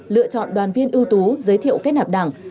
lựa chọn đoàn viên ưu tú giới thiệu kết nạp đảng